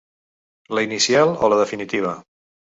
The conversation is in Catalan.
¿La inicial o la definitiva?